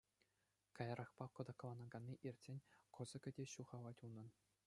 Каярахпа, кӑтӑкланаканни иртсен, кӑсӑкӗ те ҫухалать унӑн.